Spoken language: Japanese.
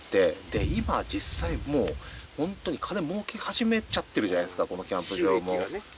で今実際もう本当に金もうけ始めちゃってるじゃないですかこのキャンプ場も。